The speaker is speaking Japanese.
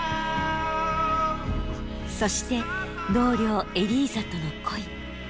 そして同僚エリーザとの恋。